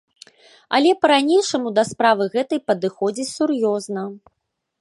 Але па-ранейшаму да справы гэтай падыходзіць сур'ёзна.